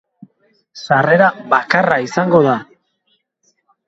Sarrera bakarra izango da.